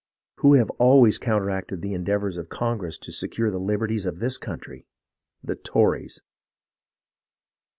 Who have always counteracted the endeavours of Congress to secure the liberties of this country? .The Tories